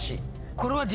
これは。